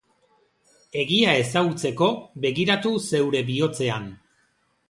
Egia ezagutzeko, begiratu zeure bihotzean.